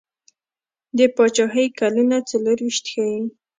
د پاچهي کلونه څلیرویشت ښيي.